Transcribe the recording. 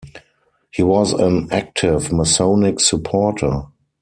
He was an active Masonic supporter.